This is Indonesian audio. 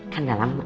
kan udah lama